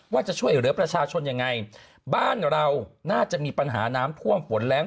ว่าจะช่วยเหลือประชาชนยังไงบ้านเราน่าจะมีปัญหาน้ำท่วมฝนแรง